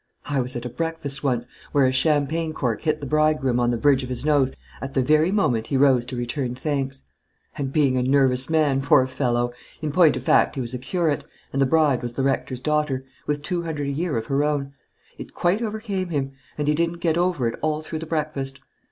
"I was at a breakfast once where a champagne cork hit the bridegroom on the bridge of his nose at the very moment he rose to return thanks; and being a nervous man, poor fellow, in point of fact, he was a curate, and the bride was the rector's daughter, with two hundred a year of her own, it quite overcame him, and he didn't get over it all through the breakfast.